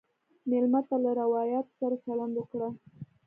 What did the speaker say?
مېلمه ته له روایاتو سره چلند وکړه.